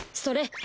それ！